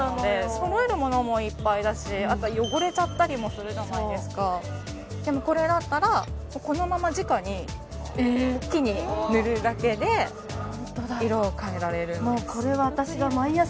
そろえるものもいっぱいだしあとは汚れちゃったりもするじゃないですかでもこれだったら本当だ色を変えられるんです